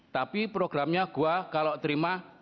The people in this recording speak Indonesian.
tapi programnya gua kalau terima